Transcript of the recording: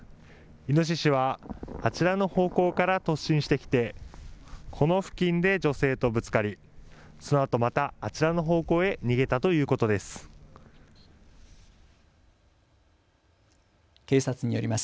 イノシシはあちらの方向から突進してきてこの付近で女性とぶつかり、そのあと、またあちらの方向へ逃げたということです。